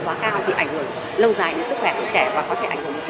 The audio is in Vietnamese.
được gọi là cháo dinh dưỡng